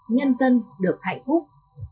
nhân dân được hạnh phúc